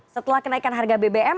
setelah kenaikan harga bbm